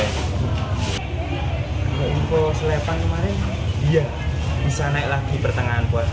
kalau untuk selepan kemarin dia bisa naik lagi pertengahan puasa